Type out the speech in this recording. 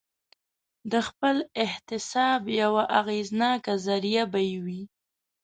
د خپل احتساب یوه اغېزناکه ذریعه به یې وي.